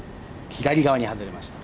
左側に外れました